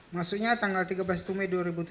maksudnya tanggal tiga belas mei dua ribu tujuh belas